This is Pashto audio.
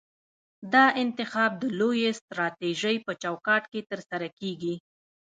دا انتخاب د لویې سټراټیژۍ په چوکاټ کې ترسره کیږي.